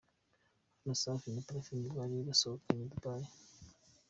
Hano Safi na Parfine bari basohokeye Dubai.